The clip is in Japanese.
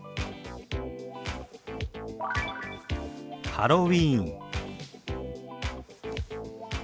「ハロウィーン」。